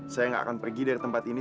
saya tidak akan pergi dari tempat ini